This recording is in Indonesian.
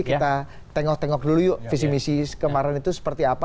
kita tengok tengok dulu yuk visi misi kemarin itu seperti apa